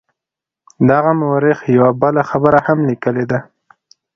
دغه مورخ یوه بله خبره هم لیکلې ده.